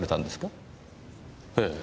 ええ。